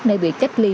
nơi bị cách ly